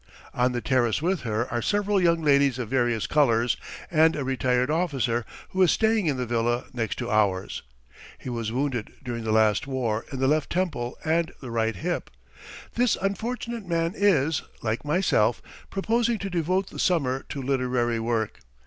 On the terrace with her are several young ladies of various colours and a retired officer who is staying in the villa next to ours. He was wounded during the last war in the left temple and the right hip. This unfortunate man is, like myself, proposing to devote the summer to literary work.